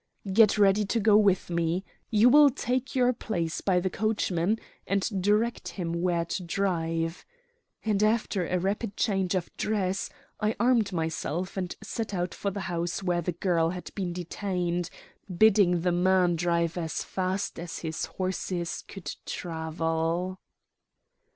"Get ready to go with me. You will take your place by the coachman and direct him where to drive;" and after a rapid change of dress I armed myself and set out for the house where the girl had been detained, bidding the man drive as fast as his horses could travel.